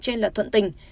cho nên là thuận tình